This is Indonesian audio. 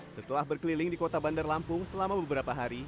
setelah berkeliling di kota bandar lampung selama beberapa hari